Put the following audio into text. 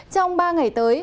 trong ba ngày tới